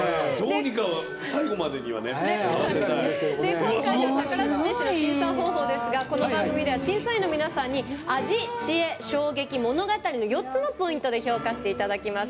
今回の宝メシの審査方法ですがこの番組では審査員の皆さんに味、知恵、衝撃、物語４つのポイントで評価していただきます。